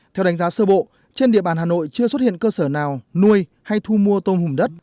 theo đánh giá sơ bộ trên địa bàn hà nội chưa xuất hiện cơ sở nào nuôi hay thu mua tôm hùm đất